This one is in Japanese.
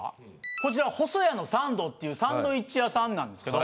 こちらほそやのサンドっていうサンドイッチ屋さんなんですけど。